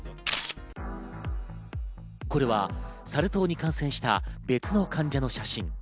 これはサル痘に感染した別の患者の写真。